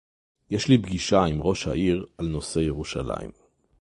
יש לי פגישה עם ראש העיר על נושא ירושלים